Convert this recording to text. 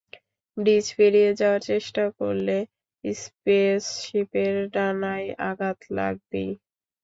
Bridge পেরিয়ে যাওয়ার চেষ্টা করলে স্পেসশিপের ডানায় আঘাত লাগবেই।